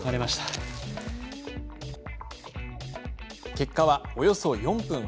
結果は、およそ４分。